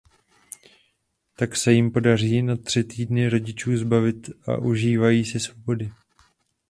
Tak se jim podaří na tři týdny rodičů zbavit a užívají si svobody.